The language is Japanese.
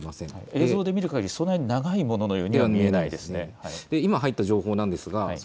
映像で見る限りそんなに長いようなものには見えないですね。